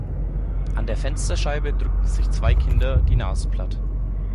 An der Fensterscheibe drückten sich zwei Kinder die Nase platt.